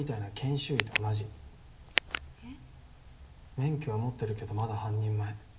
免許は持ってるけどまだ半人前。